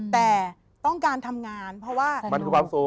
แต่ต้องการทำงานเพราะว่ามีความสุขกับการทำงาน